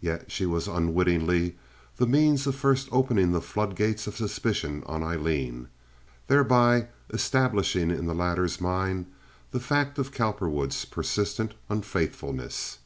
Yet she was unwittingly the means of first opening the flood gates of suspicion on Aileen, thereby establishing in the latter's mind the fact of Cowperwood's persistent unfaithfulness.